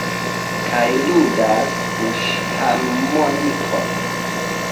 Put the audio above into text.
Kaj ludas buŝharmonikon.